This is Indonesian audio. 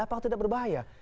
apakah tidak berbahaya